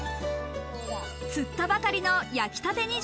釣ったばかりの焼きたてニジ